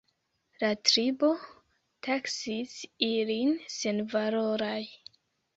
La tribo taksis ilin senvaloraj.